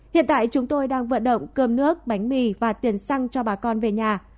hiện tại chúng tôi đang vận động cơm nước bánh mì và tiền xăng cho bà con về nhà